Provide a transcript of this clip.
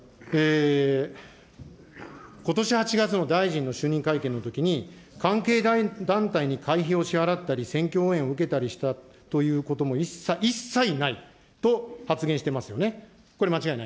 ことし８月の大臣の就任会見のときに、関係団体に会費を支払ったり、選挙応援を受けたりしたということも一切ないと発言してますよね。